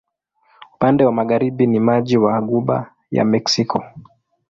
Upande wa magharibi ni maji wa Ghuba ya Meksiko.